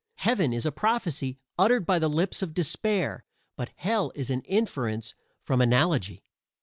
Heaven is a prophecy uttered by the lips of despair, but Hell is an inference from analogy.